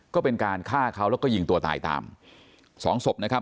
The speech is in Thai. ก็เป็นการฆ่าเขาแล้วก็ยิงตัวตายตามสองศพนะครับ